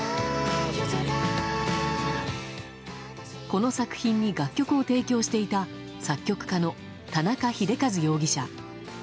この作品に楽曲を提供していた作曲家の田中秀和容疑者。